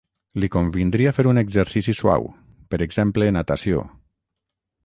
Li convindria fer un exercici suau, per exemple natació.